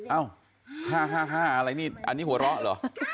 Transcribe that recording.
เอ้า๕๕อะไรนี่อันนี้หัวเราะเหรอ